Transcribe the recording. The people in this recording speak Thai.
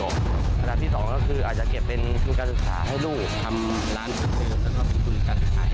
อันดับที่๒คืออาจจะเก็บเป็นคุณการสึกสาให้ลูก